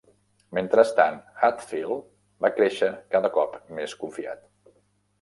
Mentrestant, Hatfield va créixer cada cop més confiat.